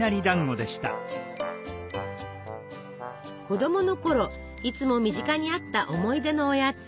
子供のころいつも身近にあった思い出のおやつ。